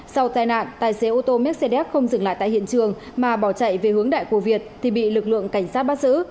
sau tai nạn tài xế ô tô mercedes không dừng lại tại hiện trường mà bỏ chạy về hướng đại cổ việt thì bị lực lượng cảnh sát bắt giữ